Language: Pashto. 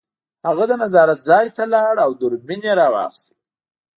هغه د نظارت ځای ته لاړ او دوربین یې راواخیست